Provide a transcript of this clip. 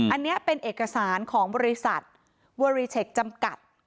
อันนี้เป็นเอกสารของบริษัทเวอรีเทคจำกัด